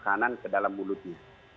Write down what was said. maka dia tidak akan ke dalam mulutnya